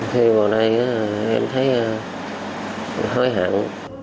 khi vào đây em thấy hối hận